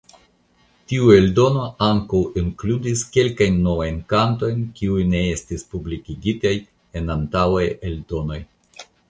Tiu eldono ankaŭ inkludis kelkajn novajn kantojn kiuj ne estis publikigitaj en antaŭaj eldonoj.